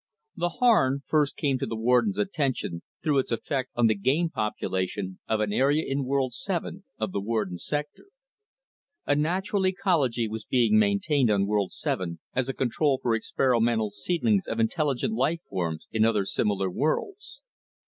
_ _The Harn first came to the Warden's attention through its effect on the game population of an area in World 7 of the Warden's sector. A natural ecology was being maintained on World 7 as a control for experimental seedings of intelligent life forms in other similar worlds.